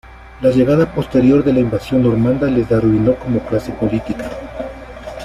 La llegada posterior de la invasión normanda les arruinó como clase política.